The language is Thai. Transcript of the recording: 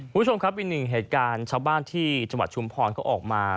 คุณผู้ชมครับอีกหนึ่งเหตุการณ์ชาวบ้านที่จังหวัดชุมพรเขาออกมา